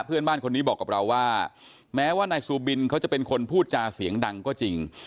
เพื่อนบ้านคนนี้บอกกับเราว่าแม้ว่านายซูบินเขาจะเป็นคนพูดจาเสียงดังก็จริง